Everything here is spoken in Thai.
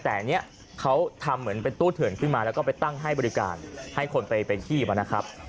แต่อันนี้เขาทำเหมือนเป็นตู้เถื่อนขึ้นมาแล้วก็ไปตั้งให้บริการให้คนไปชีพนะครับ